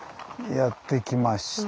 やって来ました。